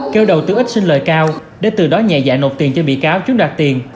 kêu đầu tư ít xin lời cao để từ đó nhẹ dạ nộp tiền cho bị cáo chiếm đoạt tiền